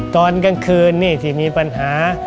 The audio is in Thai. ตอนกลางคืนนี่ที่มีปัญหา